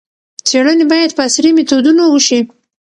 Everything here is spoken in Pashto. څېړنې باید په عصري میتودونو وشي.